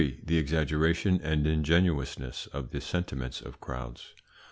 THE EXAGGERATION AND INGENUOUSNESS OF THE SENTIMENTS OF CROWDS.